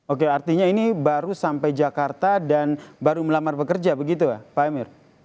oke artinya ini baru sampai jakarta dan baru melamar bekerja begitu ya pak emir